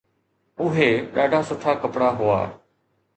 اهي ڏاڍا سٺا ڪپڙا هئا.